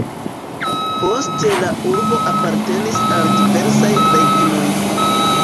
Poste la urbo apartenis al diversaj regnoj.